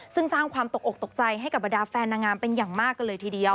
ซึ่งสร้างความตกอกตกใจให้กับบรรดาแฟนนางงามเป็นอย่างมากกันเลยทีเดียว